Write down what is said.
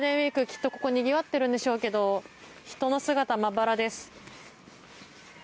きっと、ここにぎわっているんでしょうけど人の姿はまばらです。